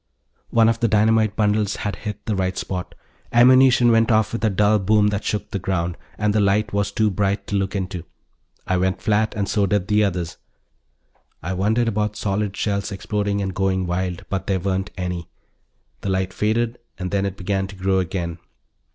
One of the dynamite bundles had hit the right spot. Ammunition went off with a dull boom that shook the ground, and the light was too bright to look into. I went flat and so did the others; I wondered about solid shells exploding and going wild, but there weren't any. The light faded, and then it began to grow again.